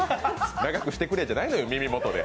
長くしてくれじゃないのよ耳元で。